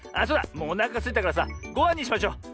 もうおなかすいたからさごはんにしましょう。